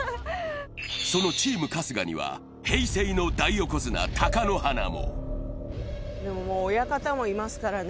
そのチーム春日には平成の大横綱・貴乃花も。